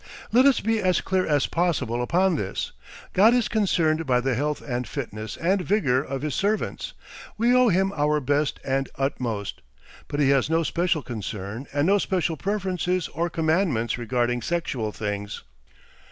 Let us be as clear as possible upon this. God is concerned by the health and fitness and vigour of his servants; we owe him our best and utmost; but he has no special concern and no special preferences or commandments regarding sexual things.